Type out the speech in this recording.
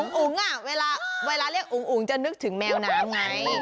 อุ๋งเวลาเรียกอุ๋งจะนึกถึงแมวน้ำไง